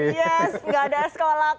yes nggak ada es kolak